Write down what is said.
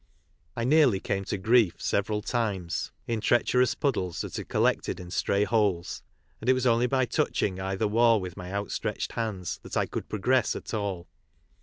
I nearly camo to grief several times in treacherous puddles that had collec ted in stray holes, and it was only by touching either wall with my outstretched* hands that I could progress at all.